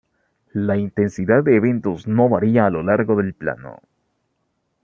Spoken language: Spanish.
La intensidad de eventos no varía a lo largo del plano.